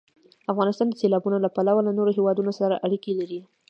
افغانستان د سیلابونو له پلوه له نورو هېوادونو سره اړیکې لري.